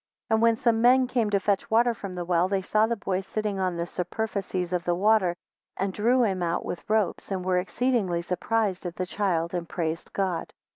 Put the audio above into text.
10 And when some men came to fetch water from the well, they saw the boy sitting on the superficies of the water, and drew him out with ropes, and were exceedingly surprised at the child, and praised God.